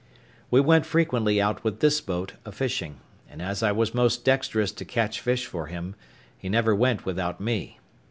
We went frequently out with this boat a fishing; and as I was most dexterous to catch fish for him, he never went without me.